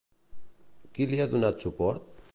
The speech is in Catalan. Qui li ha donat suport?